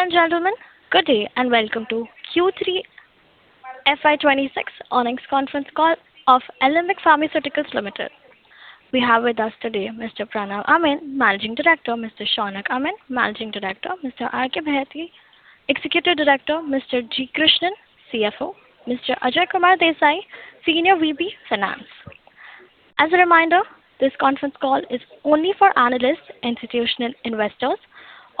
Ladies and gentlemen, good day, and welcome to Q3 FY 2026 Earnings Conference Call of Alembic Pharmaceuticals Limited. We have with us today Mr. Pranav Amin, Managing Director, Mr. Shaunak Amin, Managing Director, Mr. R.K. Baheti, Executive Director, Mr. G. Krishnan, CFO, Mr. Ajay Kumar Desai, Senior VP, Finance. As a reminder, this conference call is only for analysts, institutional investors.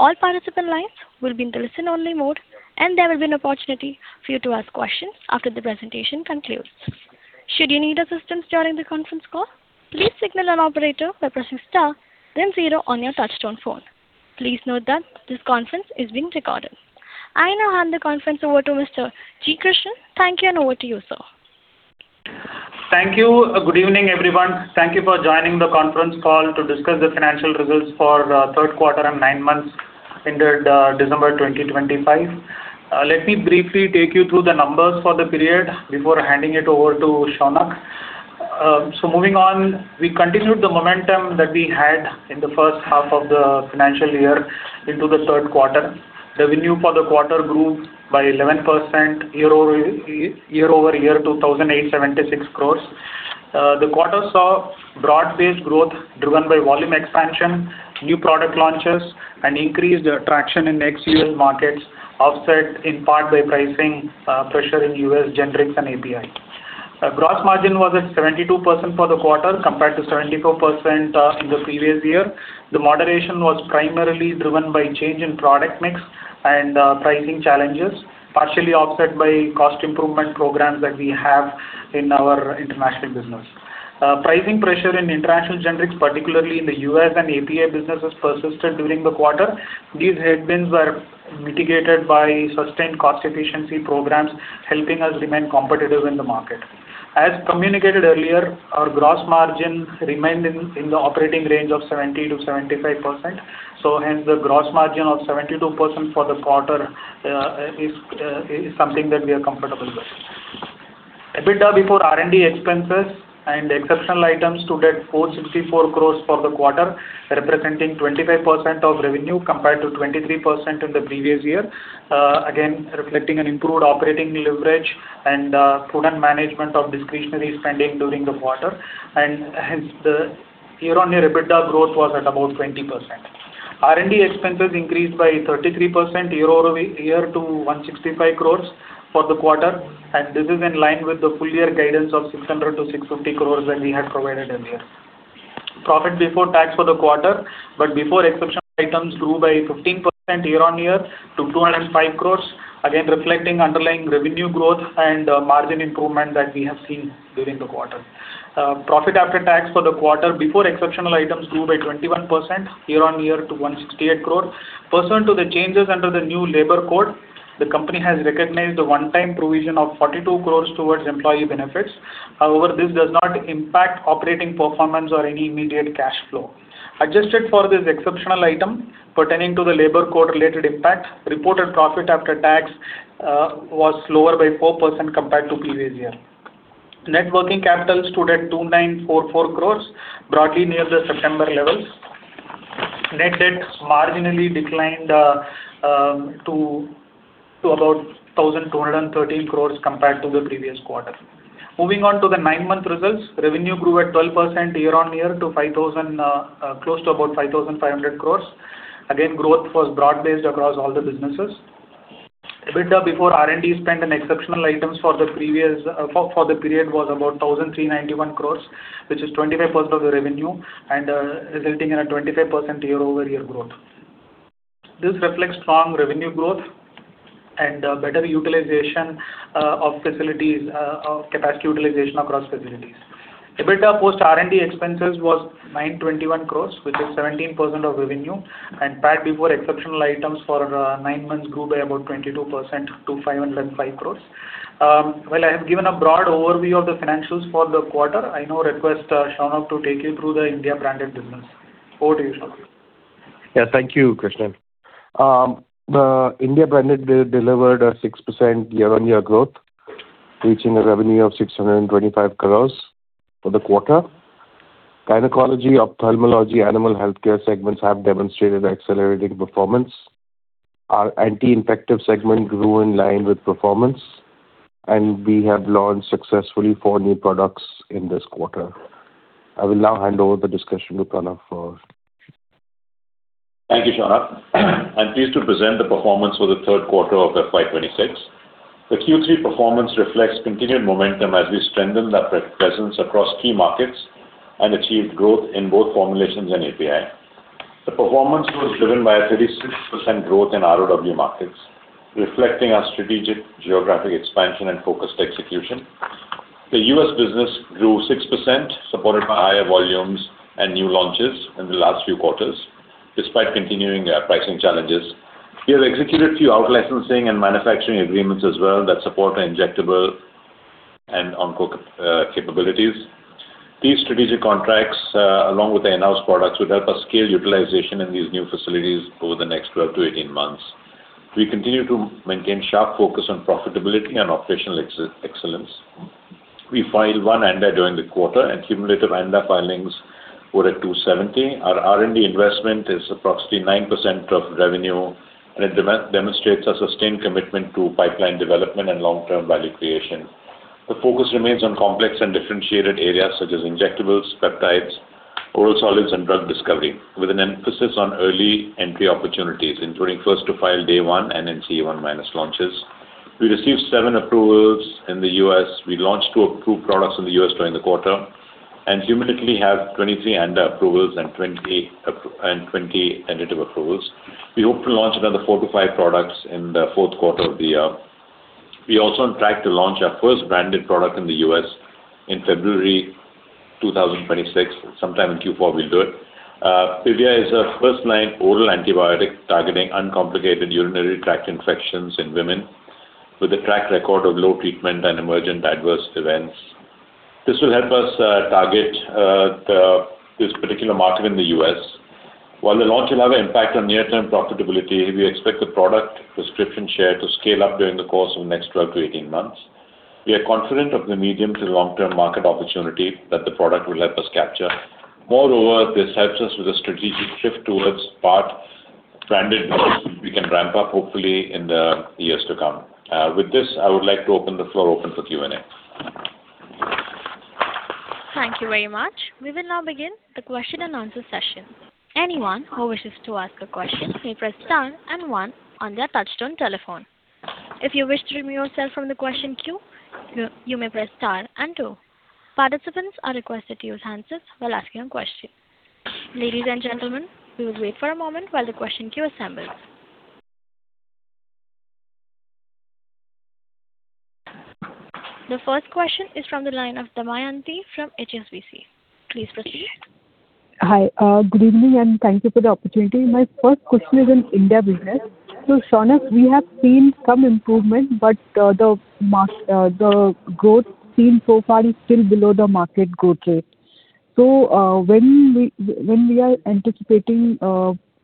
All participant lines will be in the listen-only mode, and there will be an opportunity for you to ask questions after the presentation concludes. Should you need assistance during the conference call, please signal an operator by pressing star then zero on your touchtone phone. Please note that this conference is being recorded. I now hand the conference over to Mr. G. Krishnan. Thank you, and over to you, sir. Thank you. Good evening, everyone. Thank you for joining the conference call to discuss the financial results for third quarter and nine months ended December 2025. Let me briefly take you through the numbers for the period before handing it over to Shaunak. So moving on, we continued the momentum that we had in the first half of the financial year into the third quarter. Revenue for the quarter grew by 11% year-over-year to 1,876 crores. The quarter saw broad-based growth driven by volume expansion, new product launches, and increased traction in next year markets, offset in part by pricing pressure in U.S. Generics and API. Our gross margin was at 72% for the quarter, compared to 74% in the previous year. The moderation was primarily driven by change in product mix and pricing challenges, partially offset by cost improvement programs that we have in our international business. Pricing pressure in international generics, particularly in the U.S. and API businesses, persisted during the quarter. These headwinds were mitigated by sustained cost efficiency programs, helping us remain competitive in the market. As communicated earlier, our gross margin remained in the operating range of 70%-75%, so hence the gross margin of 72% for the quarter is something that we are comfortable with. EBITDA before R&D expenses and exceptional items stood at 464 crore for the quarter, representing 25% of revenue compared to 23% in the previous year. Again, reflecting an improved operating leverage and prudent management of discretionary spending during the quarter. Hence, the year-over-year EBITDA growth was at about 20%. R&D expenses increased by 33% year-over-year to 165 crore for the quarter, and this is in line with the full-year guidance of 600 crore-650 crore that we had provided earlier. Profit before tax for the quarter, but before exceptional items, grew by 15% year-over-year to 205 crore, again, reflecting underlying revenue growth and margin improvement that we have seen during the quarter. Profit after tax for the quarter before exceptional items grew by 21% year-over-year to 168 crore. Pursuant to the changes under the new Labor Code, the company has recognized a one-time provision of 42 crore towards employee benefits. However, this does not impact operating performance or any immediate cash flow. Adjusted for this exceptional item pertaining to the Labor Code related impact, reported profit after tax was lower by 4% compared to previous year. Net working capital stood at 2,944 crore, broadly near the September levels. Net debt marginally declined to about 1,213 crore compared to the previous quarter. Moving on to the nine-month results, revenue grew at 12% year-on-year to 5,000, close to about 5,500 crore. Again, growth was broad-based across all the businesses. EBITDA before R&D spend and exceptional items for the period was about 1,391 crore, which is 25% of the revenue and resulting in a 25% year-over-year growth. This reflects strong revenue growth and better utilization of facilities, of capacity utilization across facilities. EBITDA post R&D expenses was 921 crores, which is 17% of revenue, and PAT before exceptional items for nine months grew by about 22% to 505 crores. Well, I have given a broad overview of the financials for the quarter. I now request Shaunak to take you through the India branded business. Over to you, Shaunak. Yeah. Thank you, Krishnan. The India Branded delivered a 6% year-on-year growth, reaching a revenue of 625 crore for the quarter. Gynecology, ophthalmology, animal healthcare segments have demonstrated accelerating performance. Our anti-infective segment grew in line with performance, and we have launched successfully four new products in this quarter. I will now hand over the discussion to Pranav. Thank you, Shaunak. I'm pleased to present the performance for the third quarter of FY 2026. The Q3 performance reflects continued momentum as we strengthen our presence across key markets and achieved growth in both formulations and API. The performance was driven by a 36% growth in ROW markets, reflecting our strategic geographic expansion and focused execution. The U.S. business grew 6%, supported by higher volumes and new launches in the last few quarters, despite continuing pricing challenges. We have executed a few out-licensing and manufacturing agreements as well that support our injectable and onco capabilities. These strategic contracts, along with the announced products, will help us scale utilization in these new facilities over the next 12-18 months. We continue to maintain sharp focus on profitability and operational excellence. We filed one ANDA during the quarter, and cumulative ANDA filings were at 270. Our R&D investment is approximately 9% of revenue, and it demonstrates our sustained commitment to pipeline development and long-term value creation. The focus remains on complex and differentiated areas, such as injectables, peptides, oral solids, and drug discovery, with an emphasis on early entry opportunities, including first to file day one and NCE-1 launches. We received 7 approvals in the U.S. We launched two approved products in the U.S. during the quarter, and cumulatively have 23 ANDA approvals and 20 tentative approvals. We hope to launch another four-five products in the Q4 of the year. We are also on track to launch our first branded product in the U.S. in February 2026, sometime in Q4 we'll do it. Pivya is a first-line oral antibiotic targeting uncomplicated urinary tract infections in women, with a track record of low treatment and emergent adverse events. This will help us target this particular market in the U.S. While the launch will have an impact on near-term profitability, we expect the product prescription share to scale up during the course of the next 12-18 months. We are confident of the medium to long-term market opportunity that the product will help us capture. Moreover, this helps us with a strategic shift towards part branded we can ramp up hopefully in the years to come. With this, I would like to open the floor for Q&A. Thank you very much. We will now begin the question-and-answer session. Anyone who wishes to ask a question may press star and one on their touchtone telephone. If you wish to remove yourself from the question queue, you may press star and two. Participants are requested to use hand signs while asking a question. Ladies and gentlemen, we will wait for a moment while the question queue assembles. The first question is from the line of Damayanti from HSBC. Please proceed. Hi, good evening, and thank you for the opportunity. My first question is on India business. So, Shaunak, we have seen some improvement, but the growth seen so far is still below the market growth rate. So, when we are anticipating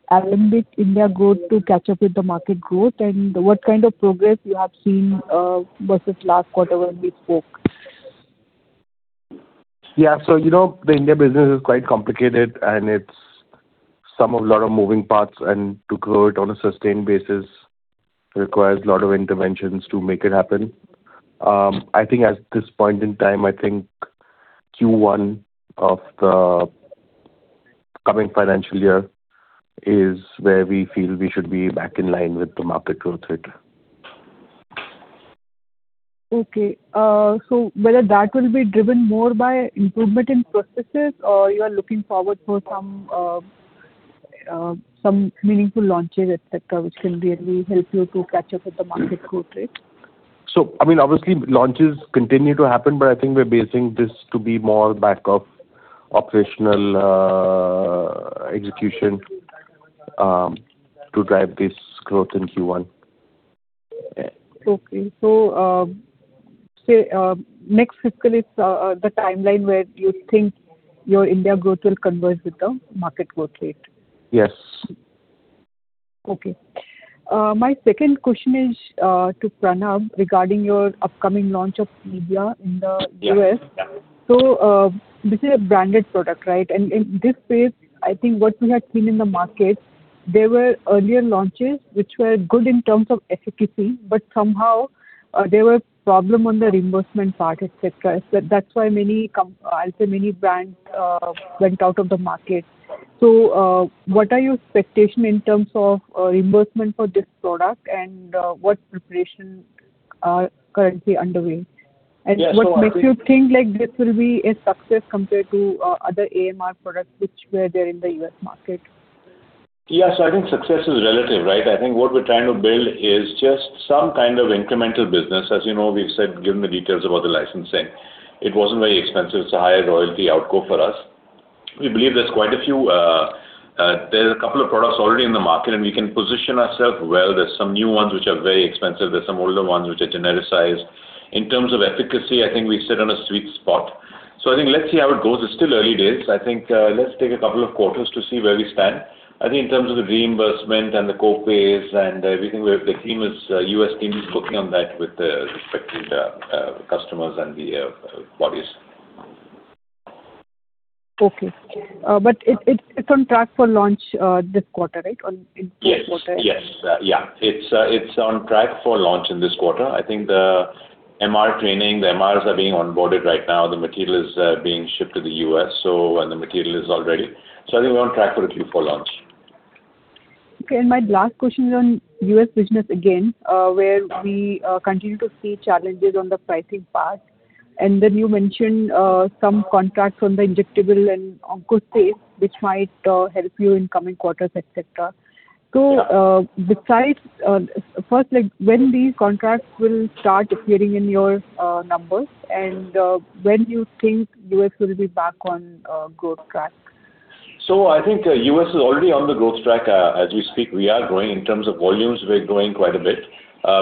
Alembic India growth to catch up with the market growth, and what kind of progress you have seen versus last quarter when we spoke? Yeah. So, you know, the India business is quite complicated, and it's got a lot of moving parts, and to grow it on a sustained basis requires a lot of interventions to make it happen. I think at this point in time, I think Q1 of the coming financial year is where we feel we should be back in line with the market growth rate. Okay. So whether that will be driven more by improvement in processes, or you are looking forward for some, some meaningful launches, et cetera, which can really help you to catch up with the market growth rate? So, I mean, obviously, launches continue to happen, but I think we're basing this to be more back of operational execution to drive this growth in Q1. Okay. So, say, next fiscal is the timeline where you think your India growth will converge with the market growth rate? Yes. Okay. My second question is to Pranav, regarding your upcoming launch of Pivya in the U.S. Yeah. So, this is a branded product, right? And in this space, I think what we have seen in the market, there were earlier launches which were good in terms of efficacy, but somehow, there were problem on the reimbursement part, et cetera. So that's why many, I'll say many brands went out of the market. So, what are your expectation in terms of reimbursement for this product, and what preparation are currently underway? Yeah, so- What makes you think, like, this will be a success compared to other AMR products which were there in the U.S. market? Yeah. So I think success is relative, right? I think what we're trying to build is just some kind of incremental business. As you know, we've said, given the details about the licensing, it wasn't very expensive. It's a high royalty outgo for us. We believe there's quite a few, there's a couple of products already in the market, and we can position ourself well. There's some new ones, which are very expensive. There's some older ones, which are genericized. In terms of efficacy, I think we sit on a sweet spot. So I think let's see how it goes. It's still early days. I think, let's take a couple of quarters to see where we stand. I think in terms of the reimbursement and the co-pays and everything, where the team is, U.S. team is working on that with the respective customers and the bodies. Okay. But it's on track for launch this quarter, right? In this quarter. Yes. Yes. Yeah, it's on track for launch in this quarter. I think the MR training, the MRs are being onboarded right now. The material is being shipped to the U.S., so, and the material is all ready. So I think we're on track for Q4 launch. Okay, my last question is on U.S. business again, where we continue to see challenges on the pricing part. Then you mentioned some contracts on the injectables and onco, which might help you in coming quarters, et cetera. Yeah. Besides, first, like, when these contracts will start appearing in your numbers, and when you think U.S. will be back on growth track? So I think, U.S. is already on the growth track, as we speak. We are growing. In terms of volumes, we're growing quite a bit.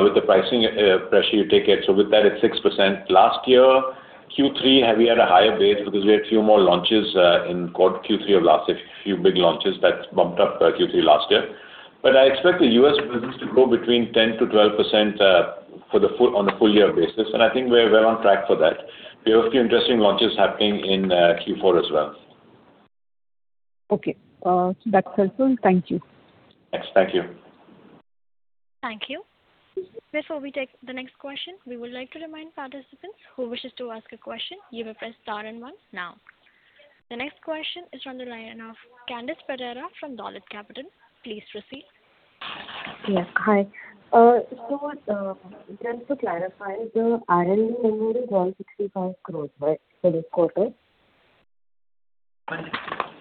With the pricing, pressure, you take it, so with that, it's 6%. Last year, Q3, we had a higher base because we had a few more launches, in quarter Q3 of last year, a few big launches that bumped up, Q3 last year.... But I expect the U.S. business to go between 10%-12%, for the full, on a full year basis, and I think we're well on track for that. We have a few interesting launches happening in Q4 as well. Okay. That's helpful. Thank you. Thanks. Thank you. Thank you. Before we take the next question, we would like to remind participants who wishes to ask a question, you may press star and one now. The next question is from the line of Candice Pereira from Dolat Capital. Please proceed. Yes. Hi. So, just to clarify, the R&D number is all 65 crore, right, for this quarter?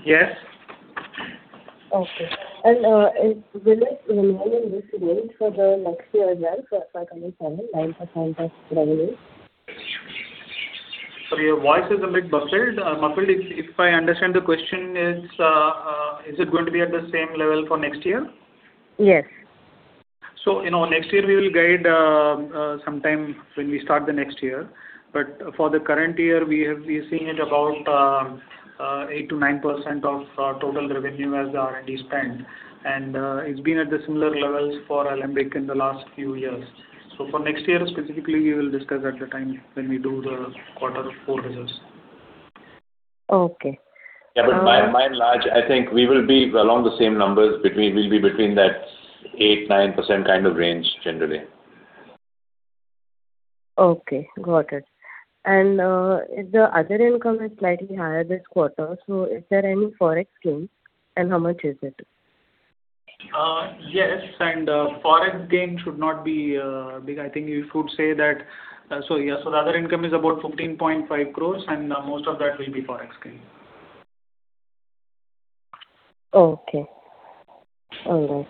Yes. Okay. And will it remain in this range for the next year as well, so approximately 9% of revenue? So your voice is a bit muffled. Muffled. If I understand, the question is, is it going to be at the same level for next year? Yes. So, you know, next year we will guide sometime when we start the next year. But for the current year, we have, we're seeing it about 8%-9% of our total revenue as the R&D spend. And it's been at the similar levels for Alembic in the last few years. So for next year, specifically, we will discuss at the time when we do the quarter four results. Okay. Yeah, but by and large, I think we will be along the same numbers. We'll be between that 8%-9% kind of range, generally. Okay, got it. And, the other income is slightly higher this quarter, so is there any Forex gains, and how much is it? Yes, and Forex gain should not be big. I think you could say that... So yeah, so the other income is about 15.5 crore, and most of that will be Forex gain. Okay. All right.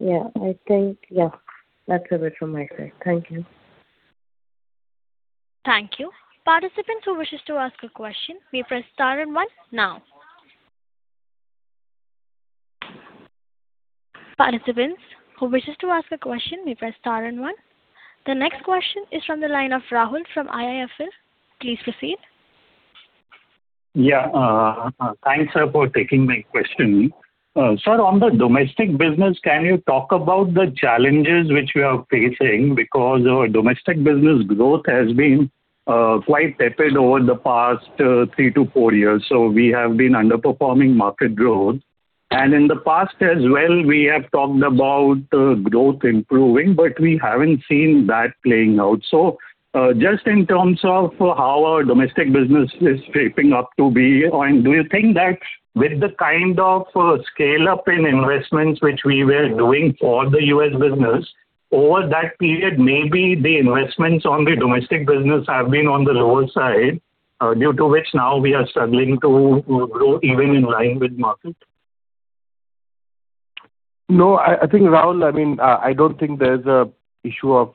Yeah, I think, yeah, that's it from my side. Thank you. Thank you. Participants who wishes to ask a question, may press star and one now. Participants who wishes to ask a question, may press star and one. The next question is from the line of Rahul from IIFL. Please proceed. Yeah. Thanks, sir, for taking my question. Sir, on the domestic business, can you talk about the challenges which we are facing? Because our domestic business growth has been quite tepid over the past three to four years, so we have been underperforming market growth. And in the past as well, we have talked about growth improving, but we haven't seen that playing out. So, just in terms of how our domestic business is shaping up to be, and do you think that with the kind of scale-up in investments which we were doing for the U.S. business, over that period, maybe the investments on the domestic business have been on the lower side, due to which now we are struggling to grow even in line with market? No, I think, Rahul, I mean, I don't think there's an issue of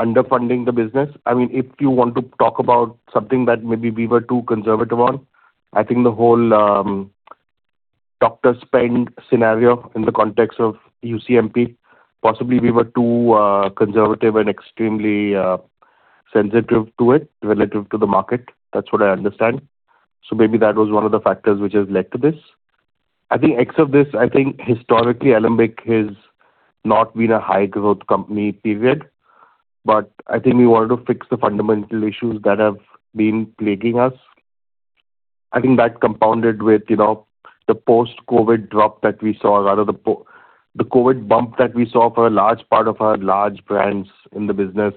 underfunding the business. I mean, if you want to talk about something that maybe we were too conservative on, I think the whole doctor spend scenario in the context of UCMP, possibly we were too conservative and extremely sensitive to it relative to the market. That's what I understand. So maybe that was one of the factors which has led to this. I think except this, I think historically, Alembic has not been a high growth company, period, but I think we want to fix the fundamental issues that have been plaguing us. I think that compounded with, you know, the post-COVID drop that we saw, rather the COVID bump that we saw for a large part of our large brands in the business.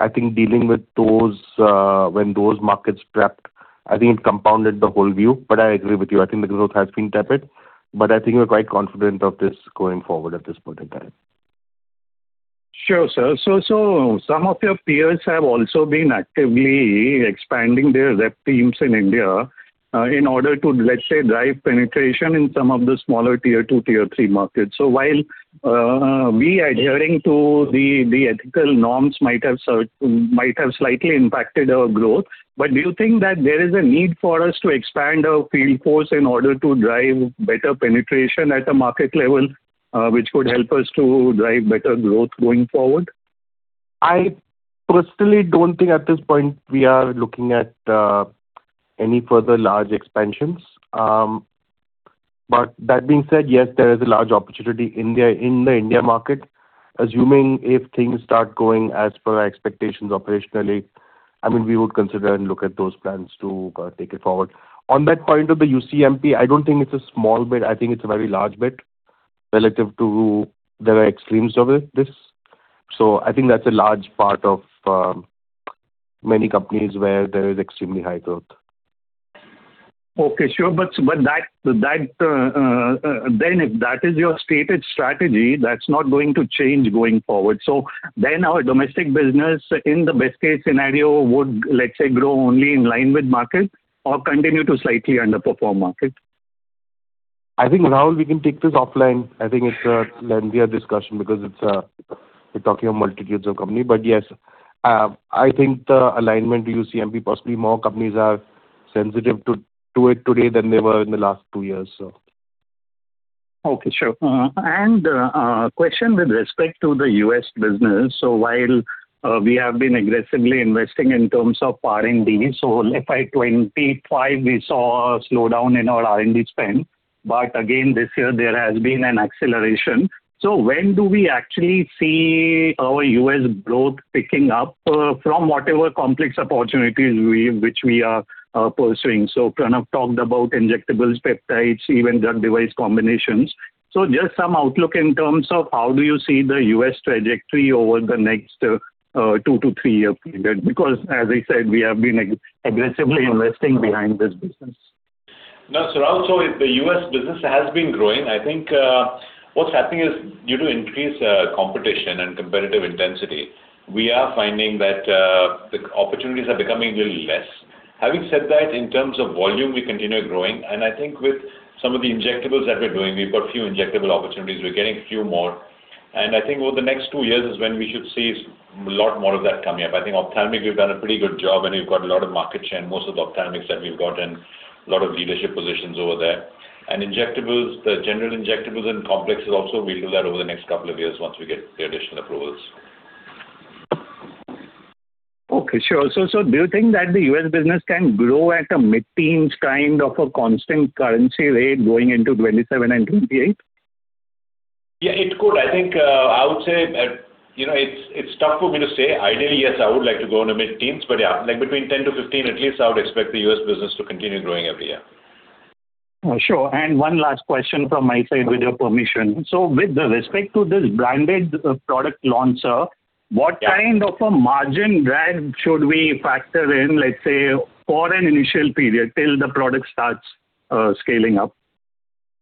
I think dealing with those, when those markets prepped, I think it compounded the whole view. But I agree with you, I think the growth has been tepid, but I think we're quite confident of this going forward at this point in time. Sure, sir. So, some of your peers have also been actively expanding their rep teams in India in order to, let's say, drive penetration in some of the smaller tier two, tier three markets. So while we adhering to the ethical norms might have slightly impacted our growth, but do you think that there is a need for us to expand our field force in order to drive better penetration at a market level, which would help us to drive better growth going forward? I personally don't think at this point we are looking at any further large expansions. But that being said, yes, there is a large opportunity in India, in the India market. Assuming if things start going as per our expectations operationally, I mean, we would consider and look at those plans to take it forward. On that point of the UCMP, I don't think it's a small bit, I think it's a very large bit relative to the extremes of it, this. So I think that's a large part of many companies where there is extremely high growth. Okay, sure. But that, then if that is your stated strategy, that's not going to change going forward. So then our domestic business, in the best case scenario, would, let's say, grow only in line with market or continue to slightly underperform market? I think, Rahul, we can take this offline. I think it's a lengthier discussion because it's, we're talking of multitudes of company. But yes, I think the alignment to UCMP, possibly more companies are sensitive to it today than they were in the last two years, so. Okay, sure. And question with respect to the U.S. business. So while we have been aggressively investing in terms of R&D, so FY 2025, we saw a slowdown in our R&D spend. But again, this year there has been an acceleration. So when do we actually see our U.S. growth picking up from whatever complex opportunities we, which we are, pursuing? So Pranav talked about injectable peptides, even drug device combinations. So just some outlook in terms of how do you see the U.S. trajectory over the next two- to three-year period? Because as I said, we have been aggressively investing behind this business. No, so also, if the U.S. business has been growing, I think, what's happening is due to increased competition and competitive intensity, we are finding that the opportunities are becoming little less. Having said that, in terms of volume, we continue growing, and I think with some of the injectables that we're doing, we've got few injectable opportunities, we're getting a few more. And I think over the next two years is when we should see a lot more of that coming up. I think ophthalmic, we've done a pretty good job, and we've got a lot of market share in most of the ophthalmics that we've got and a lot of leadership positions over there. And injectables, the general injectables and complexes also, we'll do that over the next couple of years once we get the additional approvals. Okay, sure. So, so do you think that the U.S. business can grow at a mid-teens kind of a constant currency rate going into 2027 and 2028? Yeah, it could. I think, I would say, you know, it's tough for me to say. Ideally, yes, I would like to go on the mid-teens, but yeah, like between 10-15, at least I would expect the U.S. business to continue growing every year. Sure. One last question from my side, with your permission. With respect to this branded product launcher, what kind of a margin drag should we factor in, let's say, for an initial period till the product starts scaling up?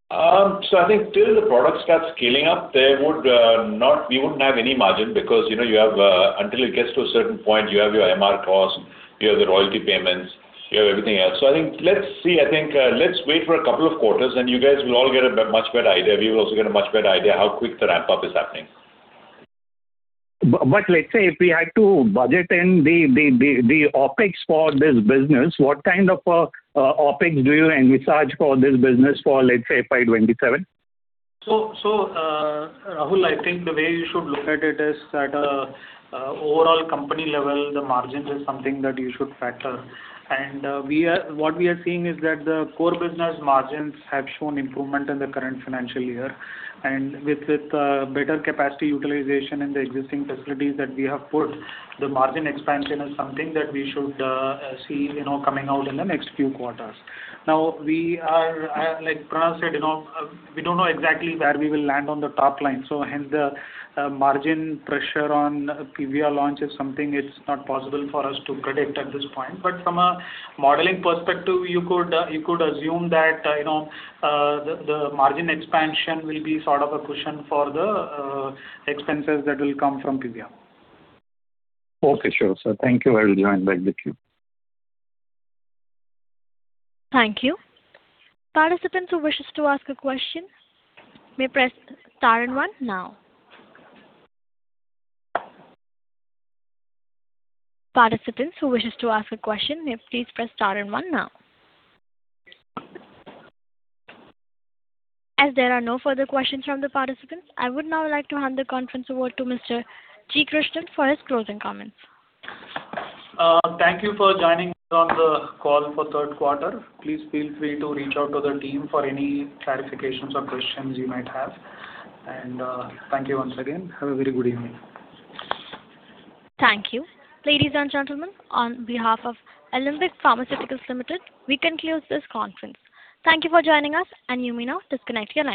So I think till the product starts scaling up, there would not. We wouldn't have any margin because, you know, you have until it gets to a certain point, you have your MR costs, you have the royalty payments, you have everything else. So I think, let's see, I think, let's wait for a couple of quarters, and you guys will all get a much better idea. We will also get a much better idea how quick the ramp-up is happening. But let's say if we had to budget in the OpEx for this business, what kind of OpEx do you envisage for this business for, let's say, by 2027? Rahul, I think the way you should look at it is that overall company level, the margins is something that you should factor. What we are seeing is that the core business margins have shown improvement in the current financial year. And with the better capacity utilization in the existing facilities that we have put, the margin expansion is something that we should see, you know, coming out in the next few quarters. Now, we are, like Pranav said, you know, we don't know exactly where we will land on the top line, so hence the margin pressure on Pivya launch is something it's not possible for us to predict at this point. But from a modeling perspective, you could, you could assume that, you know, the margin expansion will be sort of a cushion for the expenses that will come from PVR. Okay, sure, sir. Thank you. I will join back the queue. Thank you. Participants who wishes to ask a question may press star and one now. Participants who wishes to ask a question, may please press star and one now. As there are no further questions from the participants, I would now like to hand the conference over to Mr. G. Krishnan for his closing comments. Thank you for joining on the call for third quarter. Please feel free to reach out to the team for any clarifications or questions you might have. Thank you once again. Have a very good evening. Thank you. Ladies and gentlemen, on behalf of Alembic Pharmaceuticals Limited, we conclude this conference. Thank you for joining us, and you may now disconnect your lines.